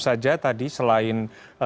saja tadi selain